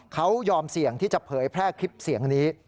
เขายอมเสี่ยงที่จะเผยแพร่คลิปเสียงนี้